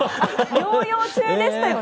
療養中でしたよね。